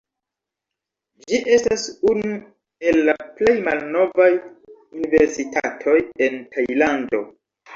Ĝi estas unu el la plej malnovaj universitatoj en Tajlando.